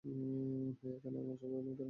হেই, এখানে আমরা সবাই আমেরিকান, তাই না?